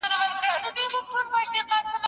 موږ کولای شو پر خپل رفتار اغېزمن قوتونه وپېژنو.